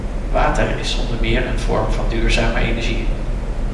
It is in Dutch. Water is zonder meer een vorm van duurzame energie.